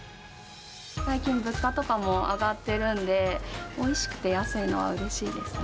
最近物価とかも上がってるんで、おいしくて安いのはうれしいですね。